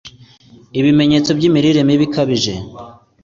ibimenyetso by'imirire mibi ikabije